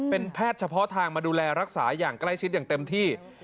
เป็นแพทย์เฉพาะทางมาดูแลรักษาอย่างใกล้ชิดอย่างเต็มที่